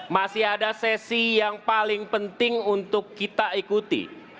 masih ada sesi yang paling penting untuk kita ikuti